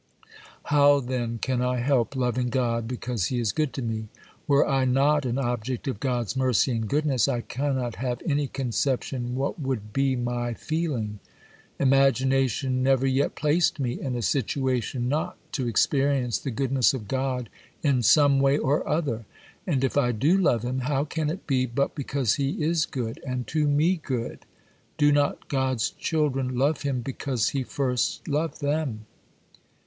How, then, can I help loving God because He is good to me? Were I not an object of God's mercy and goodness, I cannot have any conception what would be my feeling. Imagination never yet placed me in a situation not to experience the goodness of God in some way or other; and if I do love Him, how can it be but because He is good, and to me good? Do not God's children love Him because He first loved them?